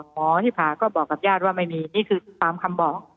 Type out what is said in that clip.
หมอนิพาก็บอกกับญาติว่าไม่มีนี่คือตามคำบอก